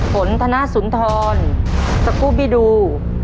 ผลธนาศุนธรสกุบิดู